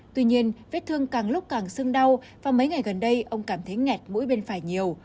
tuy nhiên vết thương càng lúc càng sưng đau và mấy ngày gần đây ông cảm thấy nghẹt mũi bên phải nhiều